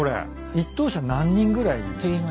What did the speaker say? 一等車何人ぐらい？